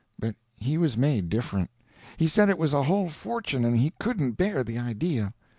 But he was made different. He said it was a whole fortune and he couldn't bear the idea.